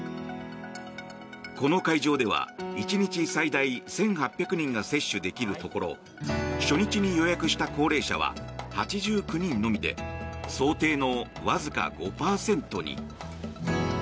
この会場では１日最大１８００人が接種できるところ初日に予約した高齢者は８９人のみで想定のわずか５％に。